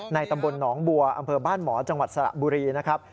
ตำบลหนองบัวอำเภอบ้านหมอจังหวัดสระบุรีนะครับ